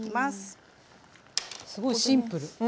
すごいシンプル。